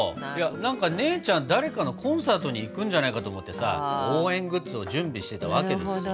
何か姉ちゃん誰かのコンサートに行くんじゃないかと思ってさ応援グッズを準備してたわけですよ。